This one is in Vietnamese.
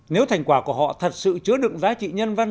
nếu thành quả của họ thật sự chứa đựng giá trị nhân văn